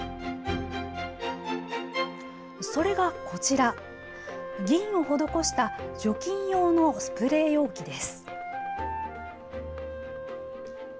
それがこちら、銀を施した除菌用のスプレー容器です。